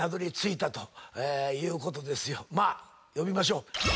まあ呼びましょう。